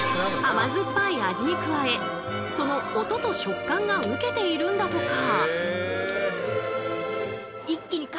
甘酸っぱい味に加えその音と食感がウケているんだとか！